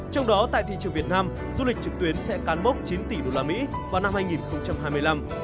trong đó tại thị trường việt nam du lịch trực tuyến sẽ cán mốc chín tỷ usd vào năm hai nghìn hai mươi năm